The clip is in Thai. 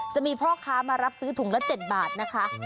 จะมีพ่อค้ามารับซื้อถุงละ๗บาทนะคะ